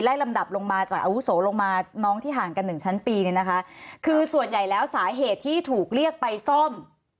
ลำดับลงมาจากอาวุโสลงมาน้องที่ห่างกันหนึ่งชั้นปีเนี่ยนะคะคือส่วนใหญ่แล้วสาเหตุที่ถูกเรียกไปซ่อม